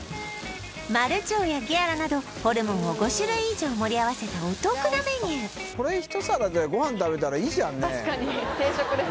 マルチョウやギアラなどホルモンを５種類以上盛り合わせたお得なメニューこれ一皿でご飯食べたらいいじゃんね